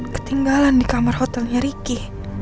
ketinggalan di kamar hotelnya ricky